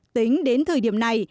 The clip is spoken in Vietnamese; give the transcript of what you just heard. tính đến thời điểm này